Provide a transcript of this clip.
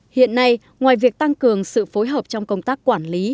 hiện nay ngoài việc tăng cường sự phối hợp trong công tác quản lý